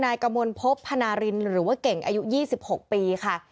นายกมลพบพนารินหรือว่าเก่งอายุ๒๖ปีค่ะ